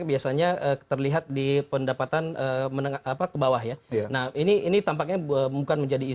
biasanya terlihat di pendapatan menengah apa ke bawah ya nah ini ini tampaknya bukan menjadi